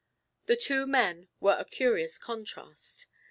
The two men were a curious contrast.